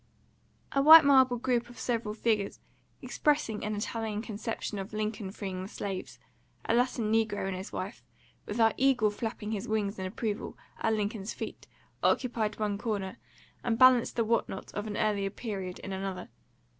A white marble group of several figures, expressing an Italian conception of Lincoln Freeing the Slaves, a Latin negro and his wife, with our Eagle flapping his wings in approval, at Lincoln's feet, occupied one corner, and balanced the what not of an earlier period in another.